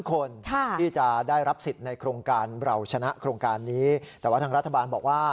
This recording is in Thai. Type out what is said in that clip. คนที่จะได้รับสิทธิ์ในโครงการเราชนะ